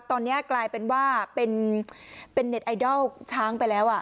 ตอนนี้กลายเป็นว่าเป็นเน็ตไอดอลช้างไปแล้ว